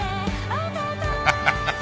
アハハハ。